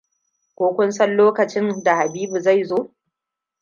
Ko kun san lokacin da Habibu zai zo?